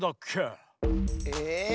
え？